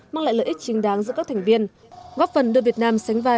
mang lại lợi ích chính đáng giữa các thành viên góp phần đưa việt nam sánh vai